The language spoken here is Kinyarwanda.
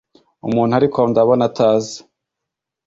umuntu ariko ndabona ataza